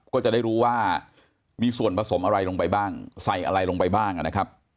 ก็จะได้รู้ว่ามีส่วนผสมอะไรลงไปบ้างใส่อะไรลงไปบ้างนะครับ